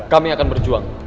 kami akan berjuang